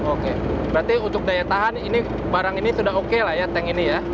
oke berarti untuk daya tahan ini barang ini sudah oke lah ya tank ini ya